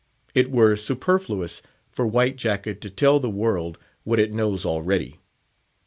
It were superfluous for White Jacket to tell the world what it knows already.